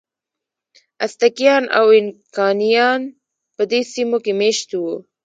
ازتکیان او اینکایان په دې سیمو کې مېشت وو.